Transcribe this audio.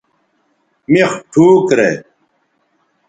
مِخ ٹھوک رے